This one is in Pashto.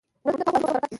اوړه د پاکو لاسو برکت دی